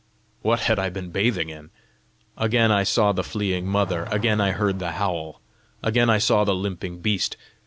What had I been bathing in? Again I saw the fleeing mother, again I heard the howl, again I saw the limping beast.